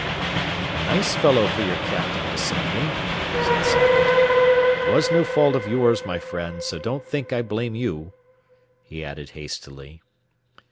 "A nice fellow for your captain to send me," said Sackett. "It was no fault of yours, my friend, so don't think I blame you," he added hastily.